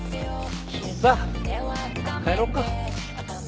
さあ帰ろうか。